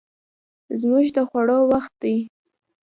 زموږ د خوړو وخت دی